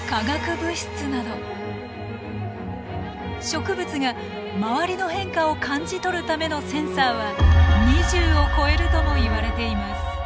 植物が周りの変化を感じ取るためのセンサーは２０を超えるともいわれています。